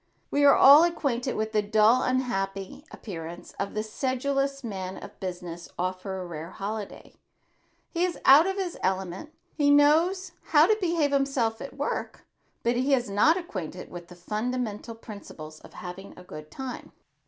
We are all acquainted with the dull unhappy appearance of the sedulous man of business off for a rare holiday. He is out of his element. He knows how to behave himself at work but he is not acquainted with the fundamental principles of having a good time.